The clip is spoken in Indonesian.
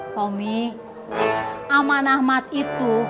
tommy amanah mart itu